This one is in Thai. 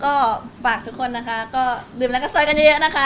ก็ฝากทุกคนนะคะก็ดื่มแล้วก็ซอยกันเยอะนะคะ